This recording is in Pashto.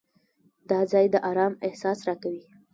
دا ځای د آرام احساس راکوي.